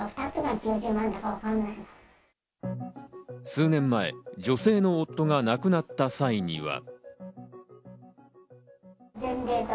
数年前、女性の夫が亡くなった際には。